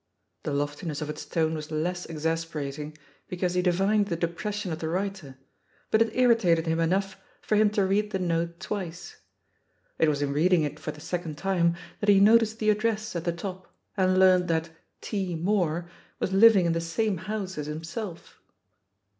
The loftiness of its tone was less exasperating be cause he divined the depression of the writer, but it irritated him enough for him to read the note twice. It was in reading it for the second time that he noticed the address at the top and learnt that ^'T. Moore" was living in the same house as himself.